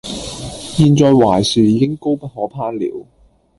現在槐樹已經高不可攀了，